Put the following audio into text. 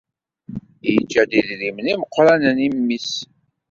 Yeǧǧa-d idrimen imeqqranen i mmi-s.